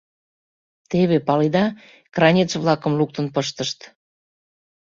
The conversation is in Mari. Теве, паледа, кранец-влакым луктын пыштышт.